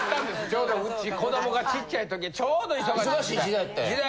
ちょうどうち子どもがちっちゃい時ちょうど忙しい時代。